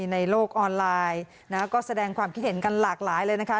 ในโลกออนไลน์ก็แสดงความคิดเห็นกันหลากหลายเลยนะคะ